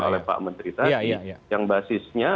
oleh pak menteri tadi yang basisnya